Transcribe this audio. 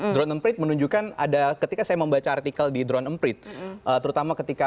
drone emprit menunjukkan ada ketika saya membaca artikel di drone emprit terutama ketika